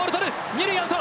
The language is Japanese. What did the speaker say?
二塁アウト！